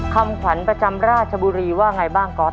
คำขวัญประจำราชบุรีว่าไงบ้างก๊อต